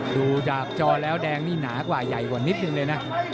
ดูดาบจอแล้วแดงนี่หนากว่าใหญ่กว่านิดนึงเลยนะ